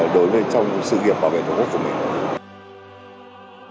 đối với trong sự nghiệp bảo vệ tổ quốc của mình